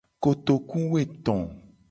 Kotokuwoeto.